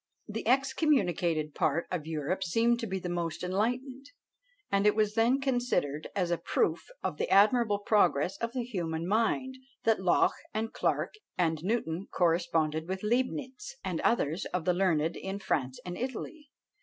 The excommunicated part of Europe seemed to be the most enlightened, and it was then considered as a proof of the admirable progress of the human mind, that Locke and Clarke and Newton corresponded with Leibnitz, and others of the learned in France and Italy.